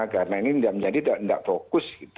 karena ini tidak menjadi tidak fokus